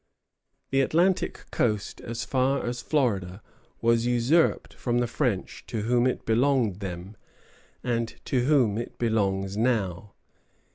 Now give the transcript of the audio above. The Atlantic coast, as far as Florida, was usurped from the French, to whom it belonged then, and to whom it belongs now."